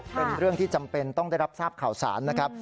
เป็นเรื่องที่จำเป็นต้องได้รับทราบข่าวสารนะครับ